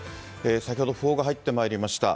先ほど訃報が入ってまいりました。